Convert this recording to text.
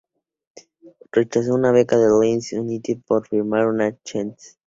Woods rechazó una beca del Leeds United por firmar con el Chelsea.